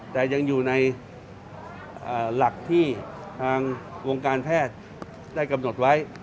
แต่ยังอยู่ในหลักที่ทางวงการแพทย์ได้กำหนดไว้